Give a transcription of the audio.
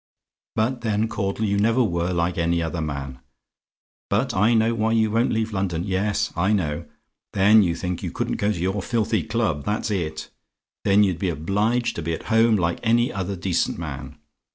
"But then, Caudle, you never were like any other man! But I know why you won't leave London. Yes, I know. Then, you think, you couldn't go to your filthy club that's it. Then you'd be obliged to be at home, like any other decent man.